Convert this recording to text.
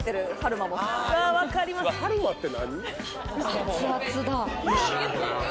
熱々だ。